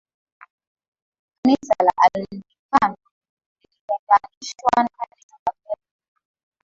kanisa la anlikana lilitenganishwa na kanisa katoriki